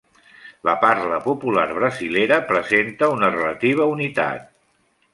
La parla popular brasilera presenta una relativa unitat.